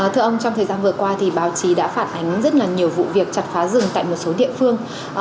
thưa ông trong thời gian vừa qua thì báo chí đã phản ánh rất là nhiều vụ việc chặt phá rừng tại một số địa phương